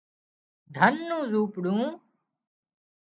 ڌنَ نُو زونپڙون